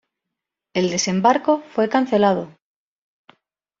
El desembarco fue cancelado.